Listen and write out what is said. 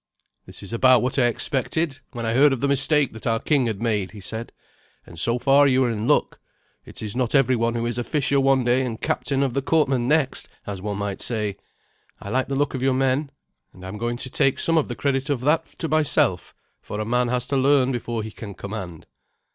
"This is about what I expected, when I heard of the mistake that our king had made," he said, "and so far you are in luck. It is not everyone who is a fisher one day and captain of the courtmen next, as one might say. I like the look of your men, and I am going to take some of the credit of that to myself, for a man has to learn before he can command."